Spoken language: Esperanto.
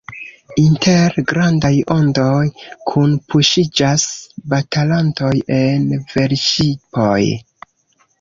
Inter grandaj ondoj kunpuŝiĝas batalantoj en velŝipoj.